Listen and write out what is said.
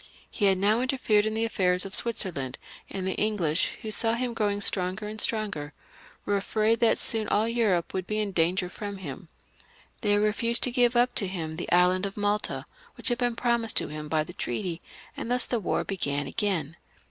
He had now interfered in the affairs of Switzerland, and the EngUsh, who saw him growing stronger and stronger, were ajfraid that soon aU Europe would be in danger from him. They refused to give up to him the island of Malta, which had been promised to him by the treaty, and thus the war began again.